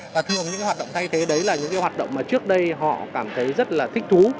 và thường những hoạt động thay thế đấy là những hoạt động mà trước đây họ cảm thấy rất là thích thú